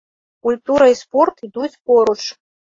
Культура і спорт ідуць поруч.